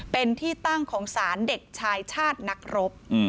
เป็นที่ตั้งของศาลเด็กชายชาตินักรบ